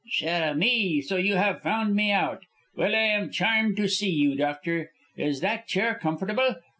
"Cher ami, so you have found me out. Well, I am charmed to see you, doctor. Is that chair comfortable?